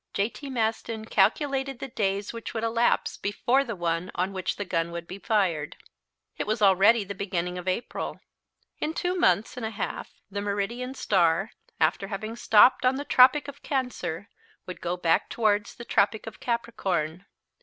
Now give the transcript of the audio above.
J.T. Maston calculated the days which would elapse before the one on which the gun would be fired. It was already the beginning of April. In two months and a half the meridian star, after having stopped on the Tropic of Cancer, would go back towards the Tropic of Capricorn.